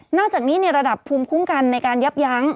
จากนี้ในระดับภูมิคุ้มกันในการยับยั้ง